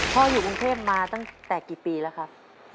อยู่กรุงเทพมาตั้งแต่กี่ปีแล้วครับ